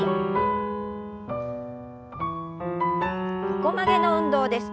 横曲げの運動です。